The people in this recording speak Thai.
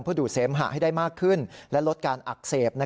เพื่อดูดเสมหะให้ได้มากขึ้นและลดการอักเสบ